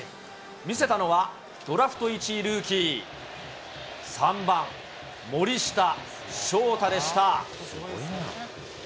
見せたのはドラフト１位ルーキー、３番森下翔太でした。